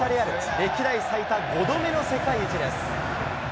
歴代最多５度目の世界一です。